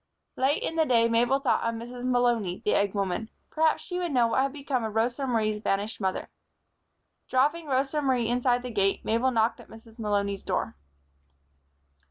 Late in the day Mabel thought of Mrs. Malony, the egg woman. Perhaps she would know what had become of Rosa Marie's vanished mother. Dropping Rosa Marie inside the gate, Mabel knocked at Mrs. Malony's door.